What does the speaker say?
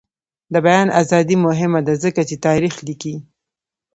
د بیان ازادي مهمه ده ځکه چې تاریخ لیکي.